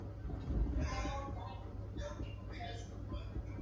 Mlima Jaeger wenye mita elfu tatu na hamsini